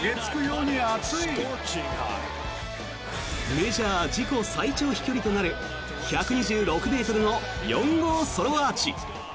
メジャー自己最長飛距離となる１２６ｍの４号ソロアーチ。